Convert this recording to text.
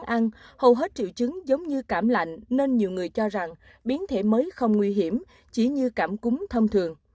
tuy nhiên hầu hết triệu chứng giống như cảm lạnh nên nhiều người cho rằng biến thể mới không nguy hiểm chỉ như cảm cúng thông thường